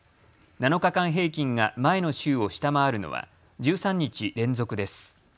７日間平均が前の週を下回るのは１３日連続です。